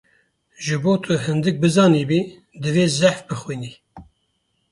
Ji bo tu hindik bizanibî divê zehf bixwînî.